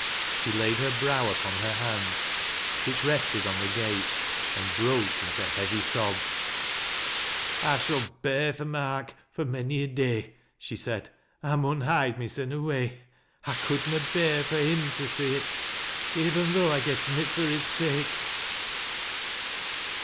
She laid her brow upon her hand, which rested on the gate, and broke into heavy sobs. "I shall bear th' mark for mony a day,"' she said. "1 rauii hide mysen away. I could na bear Eur him to so* it, oyem the' I getten it fur his sake.''